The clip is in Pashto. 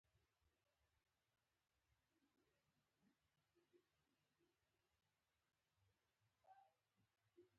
هغې وویل استخاره وکړه او وګوره چې پایله یې څه راوځي.